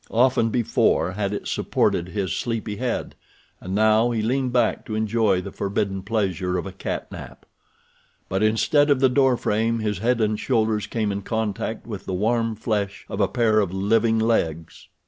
Often before had it supported his sleepy head, and now he leaned back to enjoy the forbidden pleasure of a cat nap. But instead of the door frame his head and shoulders came in contact with the warm flesh of a pair of living legs.